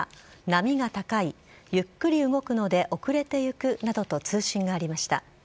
波が高い、ゆっくり動くので遅れていくなどと通信がありました。